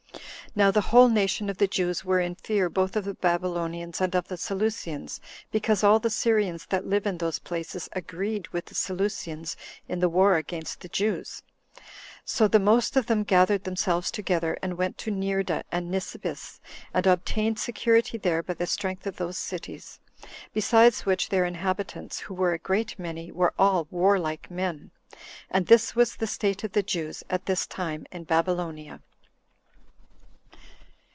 Now the whole nation of the Jews were in fear both of the Babylonians and of the Seleucians, because all the Syrians that live in those places agreed with the Seleucians in the war against the Jews; so the most of them gathered themselves together, and went to Neerda and Nisibis, and obtained security there by the strength of those cities; besides which their inhabitants, who were a great many, were all warlike men. And this was the state of the Jews at this time in Babylonia.